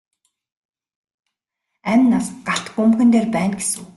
Амь нас галт бөмбөгөн дээр байна гэсэн үг.